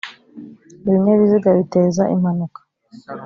ibinyabiziga biteza impanuka.